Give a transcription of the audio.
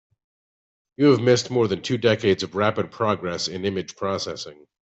You have missed more than two decades of rapid progress in image processing.